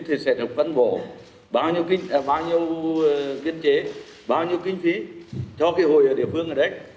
thì sẽ được văn bộ bao nhiêu viên chế bao nhiêu kinh phí cho cái hội ở địa phương ở đấy